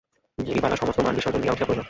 গিরিবালা সমস্ত মান বিসর্জন দিয়া উঠিয়া পড়িল।